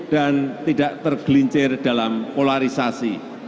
dan tidak tergelincir dalam polarisasi